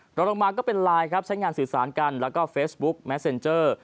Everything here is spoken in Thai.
ตรงลงมาก็เป็นไลน์ครับใช้งานสื่อสารกันแล้วก็เฟซบุ๊กแมสเซ็นเจอร์